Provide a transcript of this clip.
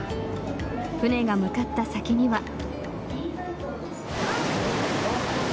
船が向かった先には。